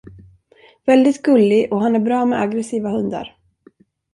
Väldigt gullig och han är bra med aggressiva hundar.